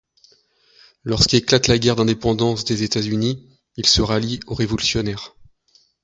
Lorsqu’éclate la guerre d'indépendance des États-Unis, il se rallie aux révolutionnaires.